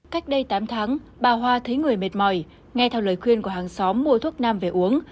cách đây tám tháng bà hoa thấy người mệt mỏi nghe theo lời khuyên của hàng xóm mua thuốc nam về uống